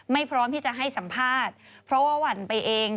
พร้อมที่จะให้สัมภาษณ์เพราะว่าหวั่นไปเอง